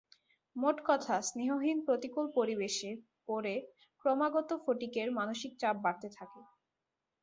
মোট কথা, স্নেহহীন প্রতিকূল পরিবেশে পড়ে ক্রমাগত ফটিকের মানসিক চাপ বাড়তে থাকে।